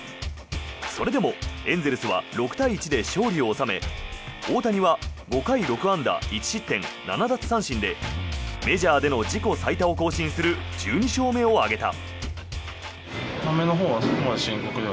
それでもエンゼルスは６対１で勝利を収め大谷は５回６安打１失点７奪三振でメジャーでの自己最多を更新する１２勝目を挙げた。